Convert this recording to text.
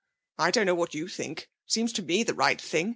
I don't know what you think. It seems to me the right thing.